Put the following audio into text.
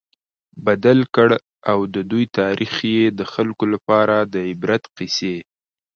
بدل کړ، او د دوی تاريخ ئي د خلکو لپاره د عبرت قيصي